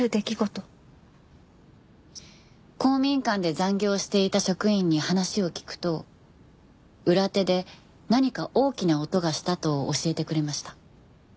公民館で残業していた職員に話を聞くと裏手で何か大きな音がしたと教えてくれました。